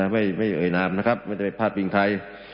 ไม่เอายนามนะครับไม่จะไปพลาดวิ่งไทย